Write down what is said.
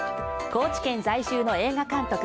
高知県在住の映画監督